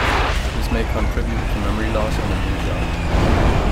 This may contribute to memory loss and amnesia.